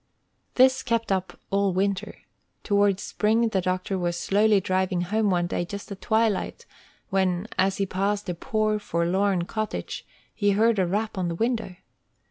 This kept up all winter. Toward spring the doctor was slowly driving home one day just at twilight, when, as he passed a poor, forlorn cottage, he heard a rap on the window.